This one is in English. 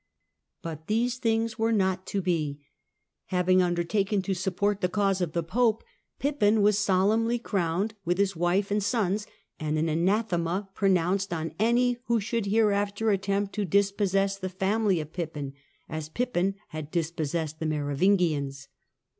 But these things were not to be. Having under taken to support the cause of the Pope, Pippin was solemnly crowned, with his wife and sons, and an anathema pronounced on any who should hereafter attempt to dispossess the family of Pippin, as Pippin had dispossessed the Merovingians.